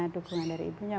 dukungan dari ibunya